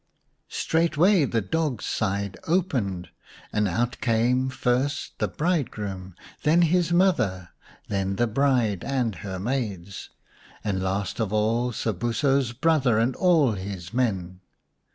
Straightway the dog's side opened and out came first the bridegroom, then his mother, then the bride and her maids, and last of all Sobuso's brother and all his men.